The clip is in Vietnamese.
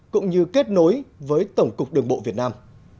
cũng như kết nối với tổng cục đường bộ việt nam